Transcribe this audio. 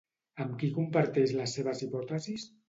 Amb qui comparteix les seves hipòtesis?